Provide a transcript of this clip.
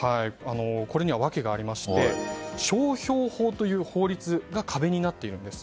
これには訳がありまして商標法という法律が壁になっているんです。